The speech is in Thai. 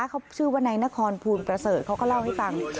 เขาชื่อว่านายนครภูลประเสริฐเขาก็เล่าให้ฟัง